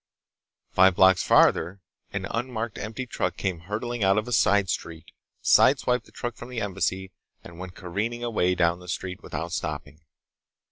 Five blocks farther, an unmarked empty truck came hurtling out of a side street, sideswiped the truck from the Embassy, and went careening away down the street without stopping.